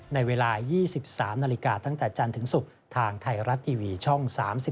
ในเวลา๒๓นาฬิกาตั้งแต่จันทร์ถึงศุกร์ทางไทยรัฐทีวีช่อง๓๒